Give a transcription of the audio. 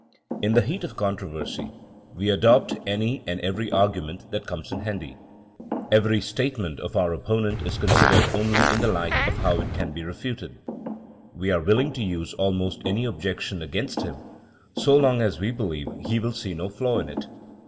In the heat of controversy, we adopt any and every 129 130 THINKINa AS A SOIENOE argument that comes handy. Every statement of our opponent is considered only in the light of how it can be refuted. We are willing to use almost any objection against him, so long as we believe he will see no flaw in it.